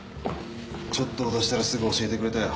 ちょっと脅したらすぐ教えてくれたよ。